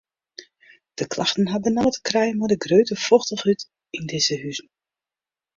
De klachten ha benammen te krijen mei de grutte fochtichheid yn dizze huzen.